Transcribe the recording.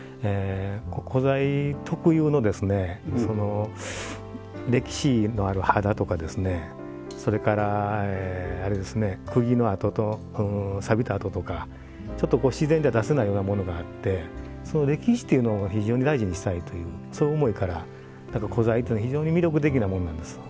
古材特有の歴史のある肌とかそれから、くぎの跡とさびた跡とか自然じゃ出せないようなものがあって歴史というのを非常に大事にしたいという思いから古材っていうのは非常に魅力的なものなんですよ。